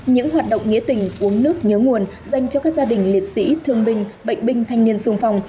những hoạt động nghĩa tình uống nước nhớ nguồn dành cho các gia đình liệt sĩ thương binh bệnh binh thanh niên sung phong